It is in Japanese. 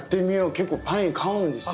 結構パイン買うんですよ。